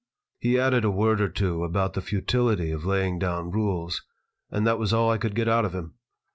He added a word or two about the futility of laying down rules, and that was all I could get out of him.